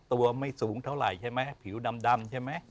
ตัวไม่สูงเท่าไหร่ใช่ไหมผิวดำใช่ไหม